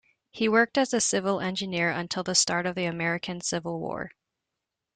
He worked as a civil engineer until the start of the American Civil War.